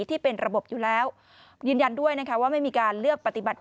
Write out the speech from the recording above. ที่เป็นระบบอยู่แล้วยืนยันด้วยนะคะว่าไม่มีการเลือกปฏิบัติ